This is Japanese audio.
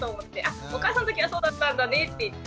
お母さんのときはそうだったんだねって言って。